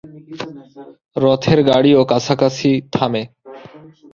রথের গাড়িও কাছাকাছি থামে।